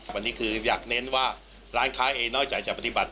วันนี้คืออยากเน้นว่าร้านค้าเองนอกจากจะปฏิบัติ